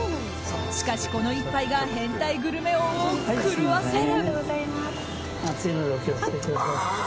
しかし、この一杯が変態グルメ王を狂わせる！